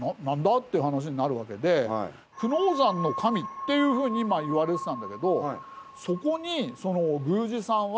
って話になるわけで久能山の神っていうふうにいわれてたんだけどそこに。